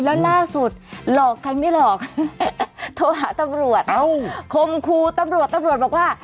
แล้วล่าสุดหลอกใครไม่หลอกโทรหาตำรวจคมครูตำรวจตำรวจบอกว่า